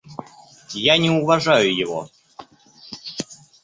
Я не уважаю его.